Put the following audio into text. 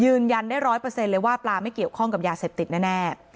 ยืนยันได้ร้อยเปอร์เซ็นต์เลยว่าปลาไม่เกี่ยวข้องกับยาเสพติดแน่แน่